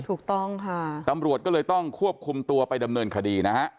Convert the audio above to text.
ถูกต้องค่ะตำรวจก็เลยต้องควบคุมตัวไปดำเนินคดีนะฮะ